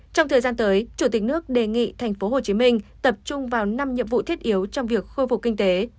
trong thời gian tới chủ tịch nước đề nghị tp hcm tập trung vào năm nhiệm vụ thiết yếu trong việc khôi phục kinh tế